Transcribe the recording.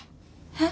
えっ？